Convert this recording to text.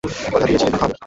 কথা দিয়েছিলে, থামাবে!